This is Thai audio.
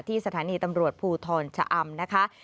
สถานีตำรวจภูทรชะอำนะคะ